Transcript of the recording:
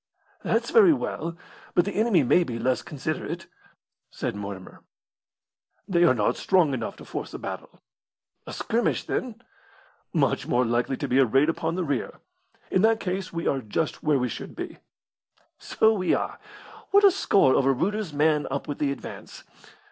"That's very well; but the enemy may be less considerate," said Mortimer. "They are not strong enough to force a battle." "A skirmish, then?" "Much more likely to be a raid upon the rear. In that case we are just where we should be." "So we are! What a score over Reuter's man up with the advance!